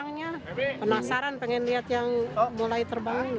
pengen lihat yang terbangnya penasaran pengen lihat yang mulai terbang